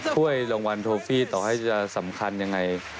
กล้วยลงวัลโทฟิตต่อให้จะสำคัญอย่างไร